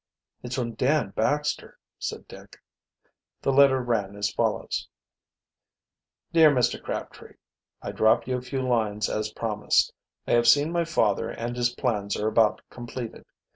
"It's from Dan Baxter," said Dick. The letter ran as follows: "Dear Mr. Crabtree: "I drop you a few lines as promised. I have seen my father and his plans are about completed.